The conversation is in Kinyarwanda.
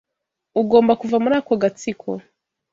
Ugomba kuva muri ako gatsiko.